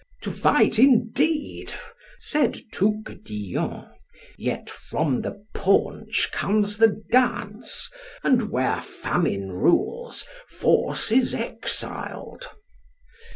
To fight, indeed, said Touquedillon; yet from the paunch comes the dance, and where famine rules force is exiled.